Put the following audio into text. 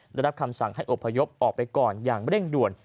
ได้รับคำสั่งให้อบพยพออกไปก่อนอย่างเร่งด่วน